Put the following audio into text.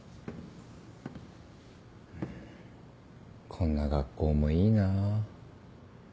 こんな学校もいいなぁ。